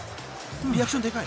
リアクションでかい］